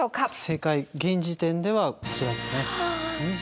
正解現時点ではこちらですね。